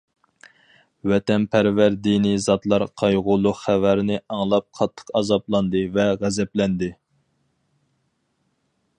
ۋەتەنپەرۋەر دىنىي زاتلار قايغۇلۇق خەۋەرنى ئاڭلاپ قاتتىق ئازابلاندى ۋە غەزەپلەندى.